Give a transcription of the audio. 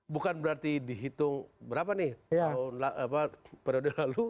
bukan berarti dihitung periode lalu